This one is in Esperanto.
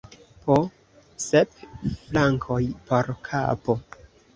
Po sep frankoj por kapo!